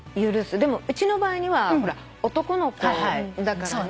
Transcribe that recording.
でもうちの場合は男の子だからね。